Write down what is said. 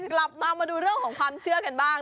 มาดูเรื่องของความเชื่อกันบ้าง